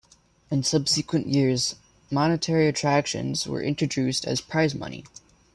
In subsequent years monetary attractions were introduced as prize money.